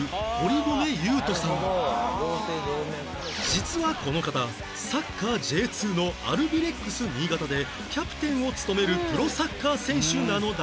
実はこの方サッカー Ｊ２ のアルビレックス新潟でキャプテンを務めるプロサッカー選手なのだが